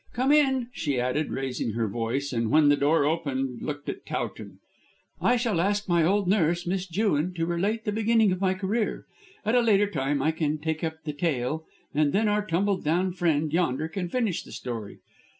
Come in!" she added, raising her voice, and, when the door opened, looked at Towton. "I shall ask my old nurse, Miss Jewin, to relate the beginning of my career; at a later time I can take up the tale, and then our tumbled down friend yonder can finish the story.